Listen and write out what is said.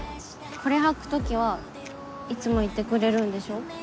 これ履く時はいつもいてくれるんでしょ？